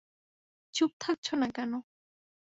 চুপ থাকছো না কেন?